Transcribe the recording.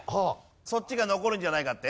そっちが残るんじゃないかって？